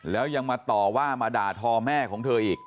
แล้วยังมาต่อว่ามาด่าทอแม่ของเธออีก